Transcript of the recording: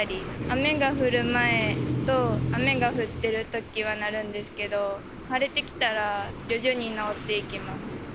雨が降る前と、雨が降ってるときはなるんですけど、晴れてきたら徐々に治っていきます。